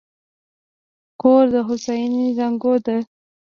کور د هوساینې زانګو ده.